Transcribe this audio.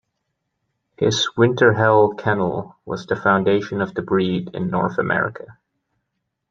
His Winterhelle Kennel was the foundation of the breed in North America.